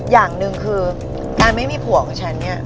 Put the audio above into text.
อย่างหนึ่งคือการไม่มีผัวของฉันเนี่ย